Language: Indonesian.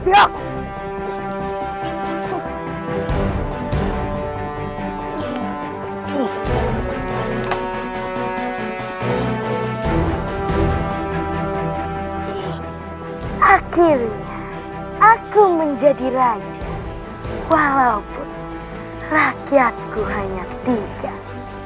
dan aku masih memiliki kekuatan